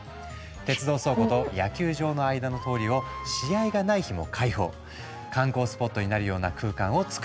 鉄道倉庫と野球場の間の通りを試合がない日も解放観光スポットになるような空間をつくり出したんだ。